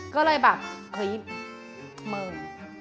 ก็เลยแบบเฮ้ยมึง